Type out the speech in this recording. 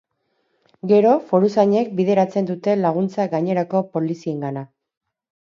Gero, foruzainek bideratzen dute laguntza gainerako poliziengana.